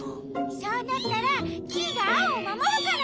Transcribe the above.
そうなったらキイがアオをまもるから！